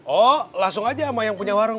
oh langsung aja sama yang punya warung